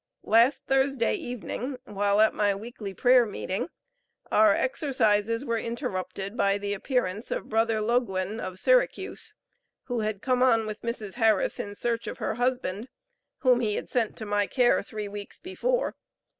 Last Thursday evening, while at my weekly prayer meeting, our exercises were interrupted by the appearance of Bro. Loguen, of Syracuse, who had come on with Mrs. Harris in search of her husband, whom he had sent to my care three weeks before.